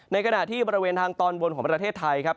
ในขณะที่บริเวณทางตอนบนของประเทศไทยครับ